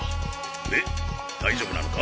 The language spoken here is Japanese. で大丈夫なのか？